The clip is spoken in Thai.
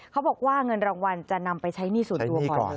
เขาบอกว่าเงินรางวัลจะนำไปใช้หนี้ส่วนตัวก่อน